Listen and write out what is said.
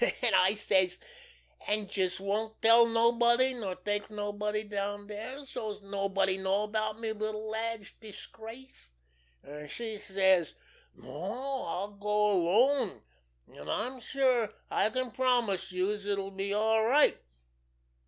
An' I says: 'An' youse won't tell nobody, nor take nobody down dere, so's anybody'd know about me little lad's disgrace?' An' she says: 'No, I'll go alone; an' I'm sure I can promise youse it'll be all right.